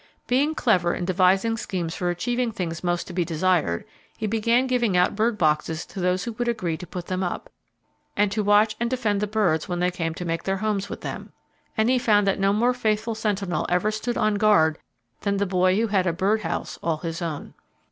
Being clever in devising schemes for achieving things most to be desired, he began giving out bird boxes to those who would agree to put them up, and to watch and defend the birds when they came to make their homes with them. And he found that no more faithful sentinel ever stood on guard than the boy who had a bird house all his own.